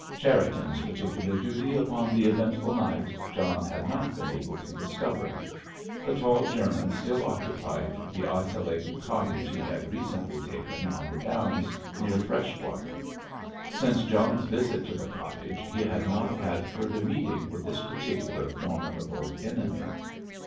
Cherriton's particular duty upon the eventful night John had not been able to discover. The tall German still occupied the isolated cottage he had recently taken on the Downs near Freshwater. Since John's visit to the cottage he had not had further meeting with this particular formidable enemy.